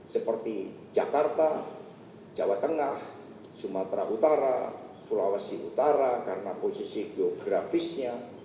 seperti jakarta jawa tengah sumatera utara sulawesi utara karena posisi geografisnya